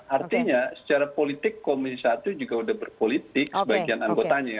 artinya secara politik komisi satu juga sudah berpolitik sebagian anggotanya ya